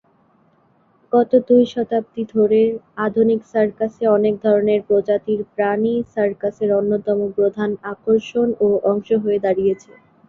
গত দুই শতাব্দী ধরে আধুনিক সার্কাসে অনেক ধরনের প্রজাতির প্রাণী সার্কাসের অন্যতম প্রধান আকর্ষণ ও অংশ হয়ে দাঁড়িয়েছে।